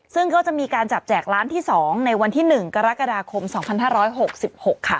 ซึ่งก็จะมีการจับแจกล้านที่๒ในวันที่๑กรกฎาคม๒๕๖๖ค่ะ